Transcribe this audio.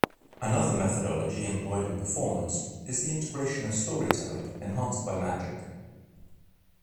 Another methodology employed in performance is the integration of storytelling enhanced by magic.